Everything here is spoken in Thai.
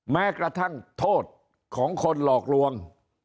แม้กระทั่งโทษของคนหลอกลวง